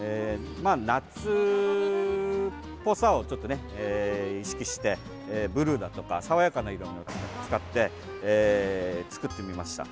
夏っぽさをちょっとね、意識してブルーだとか爽やかな色味を使って作ってみました。